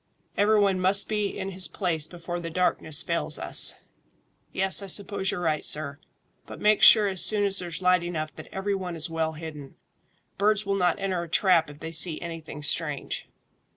Every one must be in his place before the darkness fails us." "Yes, I suppose you're right, sir; but make sure as soon as there's light enough that every one is well hidden. Birds will not enter a trap if they see anything strange."